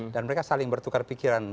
dan mereka saling bertukar pikiran